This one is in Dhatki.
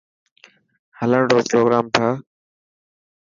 هلڻ رو پروگرام ٺاهه.